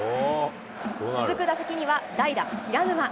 続く打席には、代打、平沼。